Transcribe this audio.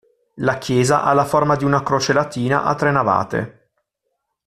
La chiesa ha la forma di una croce latina, a tre navate.